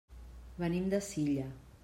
Venim de Silla.